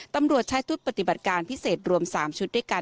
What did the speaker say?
ตำรวจใช้ชุดปฏิบัติการพิเศษรวม๓ชุดด้วยกัน